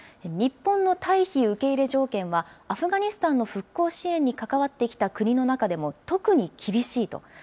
日本の退避受け入れ条件は、アフガニスタンの復興支援に関わってきた国の中でも特に厳しいと。